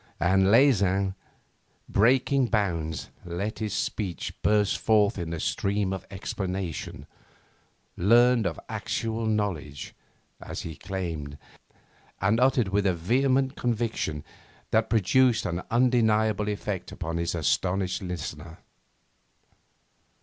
And Leysin, breaking bounds, let his speech burst forth in a stream of explanation, learned of actual knowledge, as he claimed, and uttered with a vehement conviction that produced an undeniable effect upon his astonished listener.